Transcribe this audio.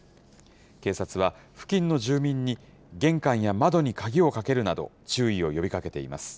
警察は付近の住民に、玄関や窓に鍵をかけるなど、注意を呼びかけています。